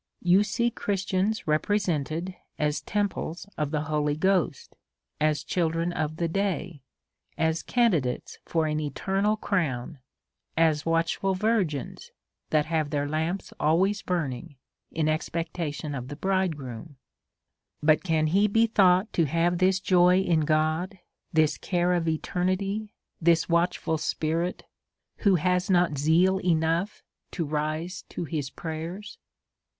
You see Christians re presented as temples of the Holy Ghost, as children of the day, as candidates for an eternal crown, as watch ful virgins that have ttieir lamps always burning in expectation of the bridegroom. But can he be thought to have this joy in God, this care of eternity, this watchful spirit, who has not zeal enough to rise to his prayers?